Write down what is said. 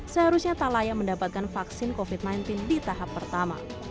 seharusnya tak layak mendapatkan vaksin covid sembilan belas di tahap pertama